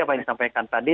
apa yang disampaikan tadi